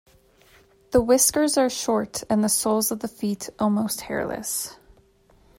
The whiskers are short and the soles of the feet almost hairless.